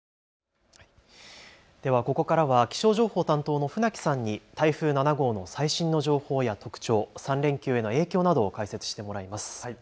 ではここからは気象情報担当の船木さんに台風７号の最新の情報や特徴、３連休への影響などを解説してもらいます。